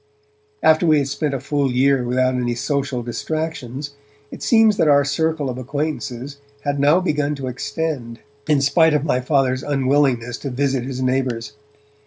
After we had spent a full year without any social distractions, it seems that our circle of acquaintances had now begun to extend, in spite of my Father's unwillingness to visit his neighbours.